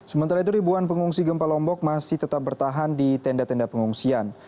sementara itu ribuan pengungsi gempa lombok masih tetap bertahan di tenda tenda pengungsian